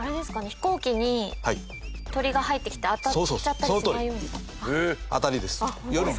飛行機に鳥が入ってきて当たっちゃったりしないように。